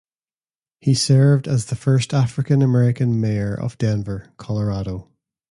He served as the first African American Mayor of Denver, Colorado.